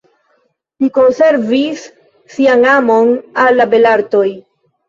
Li konservis sian amon al la belartoj.